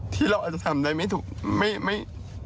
ที่เราอาจจะทำได้ไม่ถูกไม่